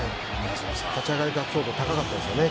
立ち上がりから強度高かったですね。